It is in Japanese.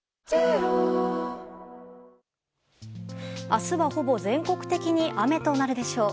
明日はほぼ全国的に雨となるでしょう。